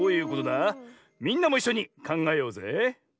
みんなもいっしょにかんがえようぜ。